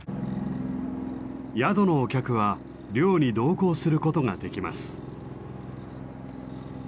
宿のお客は漁に同行することができます。